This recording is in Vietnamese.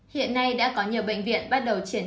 hiện nay đã có nhiều bệnh viện bắt đầu triển